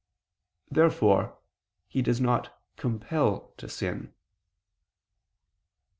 Therefore he does not compel to sin.